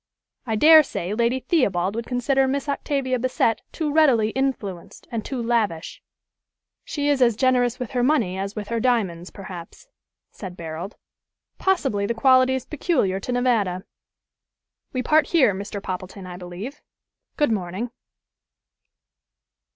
I dare say Lady Theobald would consider Miss Octavia Bassett too readily influenced and too lavish." "She is as generous with her money as with her diamonds perhaps," said Barold. "Possibly the quality is peculiar to Nevada. We part here, Mr. Poppleton, I believe. Good morning."